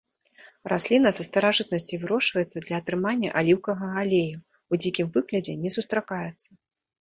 Расліна са старажытнасці вырошчваецца для атрымання аліўкавага алею, у дзікім выглядзе не сустракаецца.